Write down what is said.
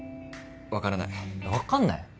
分からない分かんない？